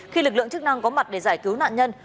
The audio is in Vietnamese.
khi lực lượng chức năng có mặt để giải cứu nạn nhân